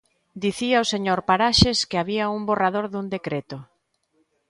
Dicía o señor Paraxes que había un borrador dun decreto.